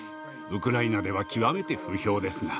ウクライナでは極めて不評ですが。